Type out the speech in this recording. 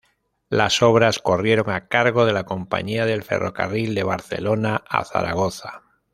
Las obras corrieron a cargo de la Compañía del Ferrocarril de Barcelona a Zaragoza.